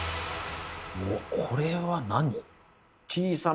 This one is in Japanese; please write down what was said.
おっこれは何？